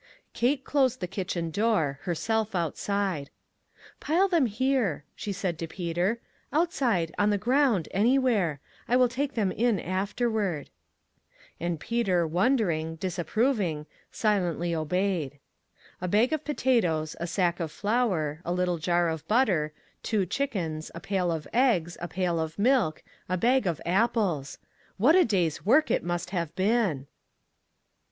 Kate closed the kitchen door, herself outside. " Pile them here," she said to Peter, "outside, on the ground, anywhere. I will take them in afterward." 24O ONE COMMONPLACE DAY. And Peter, wondering, disapproving, silently obeyed. A bag of potatoes, a sack of flour, a lit tle jar of butter, two chickens, a pail of eggs, a pail of milk, a bag of apples. What a day's work it must have been!